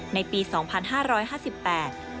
ในปีสองพันห้าร้อยห้าสิบแปด